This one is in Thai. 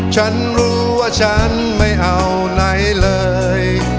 ฉันรู้ว่าฉันไม่เอาไหนเลย